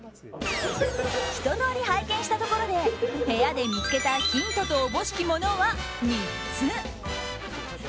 ひと通り拝見したところで部屋で見つけたヒントと思しきものは３つ。